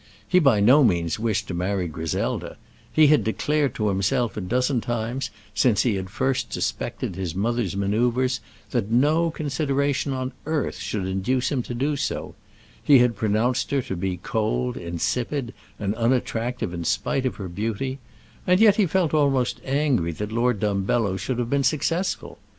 He by no means wished to marry Griselda; he had declared to himself a dozen times since he had first suspected his mother's manoeuvres, that no consideration on earth should induce him to do so; he had pronounced her to be cold, insipid, and unattractive in spite of her beauty; and yet he felt almost angry that Lord Dumbello should have been successful.